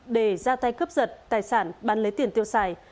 để ra tay cấp dật tài sản bán lấy tiền tiêu xài